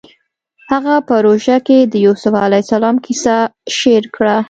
هغه په روژه کې د یوسف علیه السلام کیسه شعر کړه